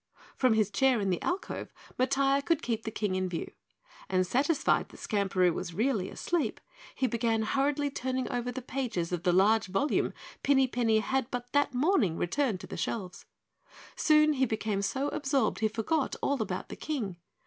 From his chair in the alcove, Matiah could keep the King in view, and satisfied that Skamperoo was really asleep, he began hurriedly turning over the pages of the large volume Pinny Penny had but that morning returned to the shelves. Soon he became so absorbed he forgot all about the King.